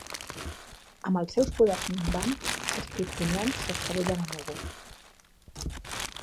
Amb els seus poders minvant, els kriptonians s'estavellen a Mogo.